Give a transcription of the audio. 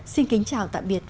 xin kính chào tạm biệt